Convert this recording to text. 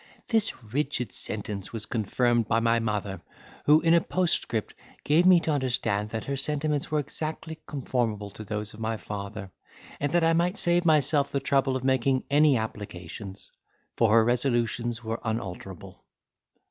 This rigid sentence was confirmed by my mother, who, in a postscript, gave me to understand that her sentiments were exactly conformable to those of my father, and that I might save myself the trouble of making any applications, for her resolutions were unalterable.